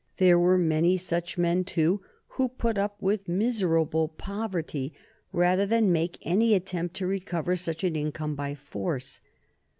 There were many such men, too, who put up with miserable poverty rather than make any attempt to recover such an income by force.